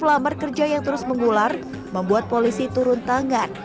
pelamar kerja yang terus menggular membuat polisi turun tangan